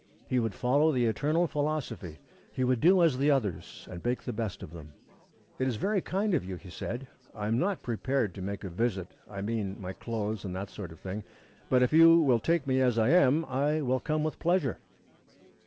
He would follow the eternal philosophy. He would do as the others and make the best of them. "It is very kind of you," he said. "I am not prepared to make a visit, I mean my clothes, and that sort of thing, but if you will take me as I am, I will come with pleasure."